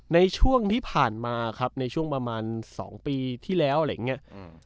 ในช่วงที่ผ่านมาครับในช่วงประมาณสองปีที่แล้วอะไรอย่างเงี้ยอืม